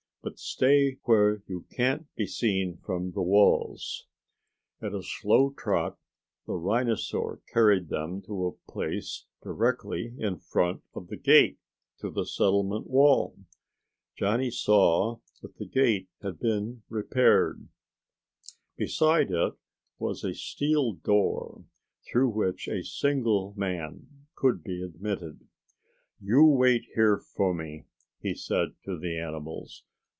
"But stay where you can't be seen from the walls." At a slow trot, the rhinosaur carried them to a place directly in front of the gate to the settlement wall. Johnny saw that the gate had been repaired. Beside it was a steel door through which a single man could be admitted. "You wait here for me," he said to the animals.